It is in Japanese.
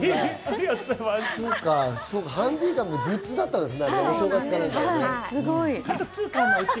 ハンディーカム、グッズだったんですね。